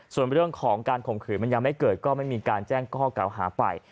ส่วนเรื่องของการข่มขืนมันยังไม่เกิดก็ไม่มีการแจ้งข้อเก่าหาไป